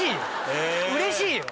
うれしいよ。